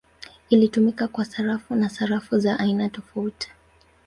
Ilitumika kwa sarafu na sarafu za aina tofauti.